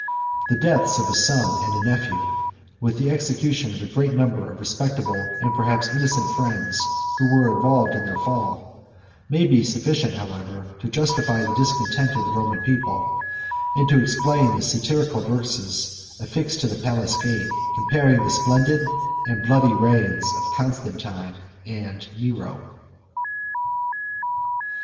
2611 The deaths of a son and a nephew, with the execution of a great number of respectable, and perhaps innocent friends, 27 who were involved in their fall, may be sufficient, however, to justify the discontent of the Roman people, and to explain the satirical verses affixed to the palace gate, comparing the splendid and bloody reigns of Constantine and Nero.